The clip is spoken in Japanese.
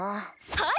はい！